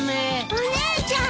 お姉ちゃん！？